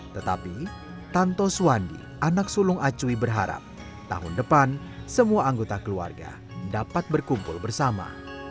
tetapi tanto suwandi anak sulung acui berharap tahun depan semua anggota keluarga dapat berkumpul bersama